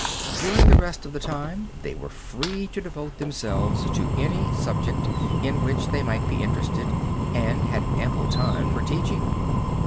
During the rest of the time they were free to devote themselves to any subject in which they might be interested and had ample time for teaching.